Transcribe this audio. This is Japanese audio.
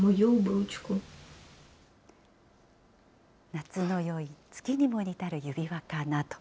夏の宵月にも似たる指輪かなと。